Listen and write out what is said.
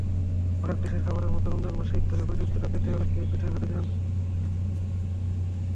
হরেক দেশের খাবারের মতো রমজান মাসে ইফতারে বৈচিত্র্য পেতে অনেকেই পিঠাঘরে যান।